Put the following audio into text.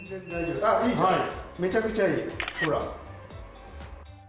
めちゃくちゃいい。